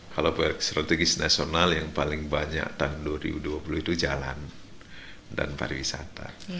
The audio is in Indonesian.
kalau proyek strategis nasional yang paling banyak tahun dua ribu dua puluh itu jalan dan pariwisata